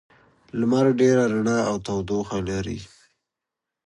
لمر ډېره رڼا او تودوخه لري.